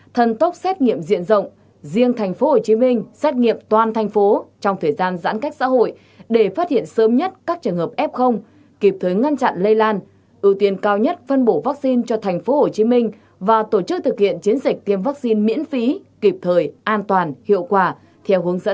thần tốc xét nghiệm diện rộng riêng tp hcm xét nghiệm toàn thành phố trong thời gian giãn cách xã hội để phát hiện sớm nhất các trường hợp f kịp thuế ngăn chặn lây lan ưu tiên cao nhất phân bổ vaccine cho tp hcm và tổ chức thực hiện chiến dịch tiêm vaccine miễn phí kịp thời an toàn hiệu quả theo hướng dẫn